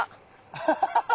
アハハハハ。